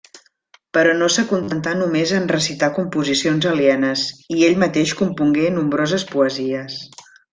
Però no s'acontentà només en recitar composicions alienes, i ell mateix compongué nombroses poesies.